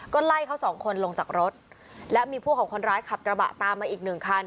ก็ไล่เขาสองคนลงจากรถและมีผู้ของคนร้ายขับกระบะตามมาอีกหนึ่งคัน